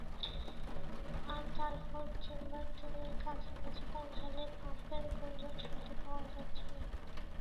আর তারপর, চেম্বার তিনের কাছাকাছি পৌঁছালে, পাম্পের গুঞ্জন শুনতে পাওয়া যাচ্ছিলো।